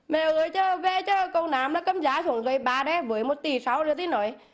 mẹ ơi về cho câu nam là cầm dao xuống dây ba đấy với một tỷ sáu nữa thì nói